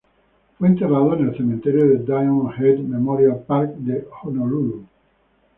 Fue enterrado en el Cementerio Diamond Head Memorial Park de Honolulu.